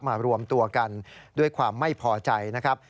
มารวมตัวกันด้วยความไม่พอใจนะครับ